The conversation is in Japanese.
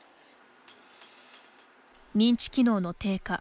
認知機能の低下